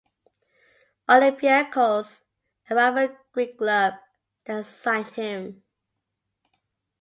Olympiakos, a rival Greek club, then signed him.